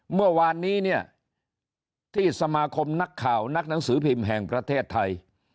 เมื่อวานนี้เนี่ยที่สมาคมนักข่าวนักหนังสือพิมพ์แห่งประเทศไทย